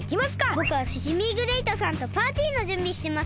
ぼくはシジミーグレイトさんとパーティーのじゅんびしてますね。